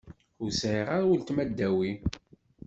Ur sεiɣ ara uletma ddaw-i.